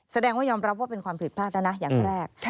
แสดงว่ายอมรับว่าเป็นความผิดพลาดแล้วนะอย่างแรก